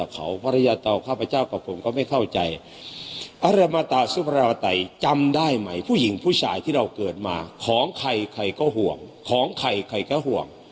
เขาภรรยาเตาข้าพเจ้ากับผมก็ไม่เข้าใจอรมตาสุภาตัยจำได้ไหมผู้หญิงผู้ชายที่เราเกิดมาของใครใครก็ห่วงของใครใครก็ห่วง